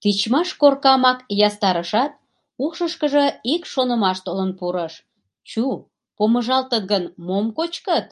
Тичмаш коркамак ястарышат, ушышкыжо ик шонымаш толын пурыш: «Чу, помыжалтыт гын, мом кочкыт?